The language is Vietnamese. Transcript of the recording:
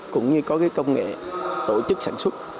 cũng như có công nghệ tổ chức sản xuất